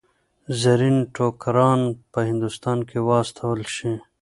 زرین ټوکران به هندوستان ته واستول شي.